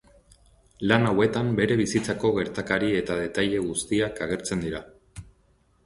Lan hauetan bere bizitzako gertakari eta detaile guztiak agertzen dira.